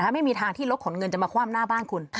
ไม่มีทางที่รถขนเงินจะมาคว่ำหน้าบ้านคุณ